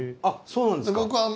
あそうなんですか。